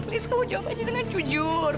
list kamu jawab aja dengan jujur